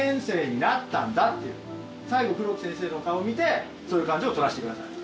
最後黒木先生の顔を見てそういう感じを撮らせてください。